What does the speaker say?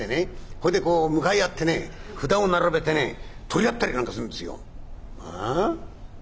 それでこう向かい合ってね札を並べてね取り合ったりなんかするんですよ」。